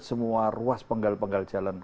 semua ruas penggal penggal jalan